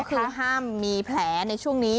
คือห้ามมีแผลในช่วงนี้